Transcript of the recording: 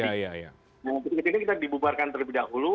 yang kecil kecil ini kita dibubarkan terlebih dahulu